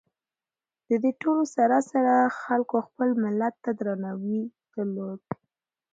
د دې ټولو سره سره خلکو خپل ملت ته درناوي درلود.